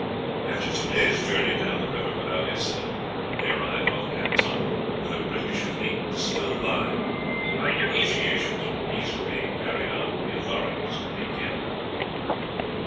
After two days' journey down the river without incident, they arrived off Canton, where the British fleet was still lying while negotiations for peace were being carried on with the authorities at Pekin.